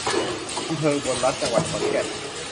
อำเภออุบลรัตน์ จังหวัดขอนแก่น